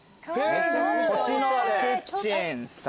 星のキッチンさん。